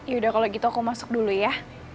yaudah kalau gitu aku masuk dulu ya